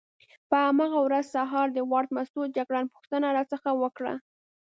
په هماغه ورځ سهار د وارډ مسؤل جګړن پوښتنه راڅخه وکړه.